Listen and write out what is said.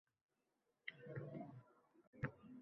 Ho’plab qora qahvoni